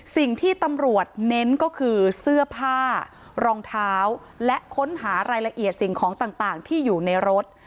สิ่งที่ตำรวจเน้นก็คือเสื้อผ้ารองเท้าและค้นหารายละเอียดสิ่งของต่างที่อยู่ในรถ